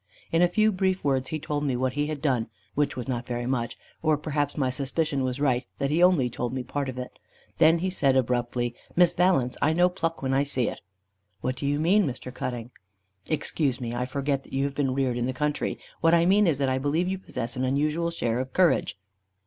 In a few brief words, he told me what he had done, which was not very much; or perhaps my suspicion was right, that he only told me a part of it. Then he said abruptly, "Miss Valence, I know pluck when I see it." "What do you mean, Mr. Cutting?" "Excuse me, I forgot that you have been reared in the country. What I mean is, that I believe you possess an unusual share of courage."